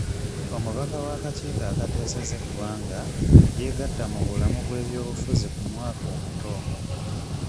Omubaka w'akakiiko akateeseza eggwanga yegatta mu bulamu bw'ebyobufuzi ku mwaka omuto.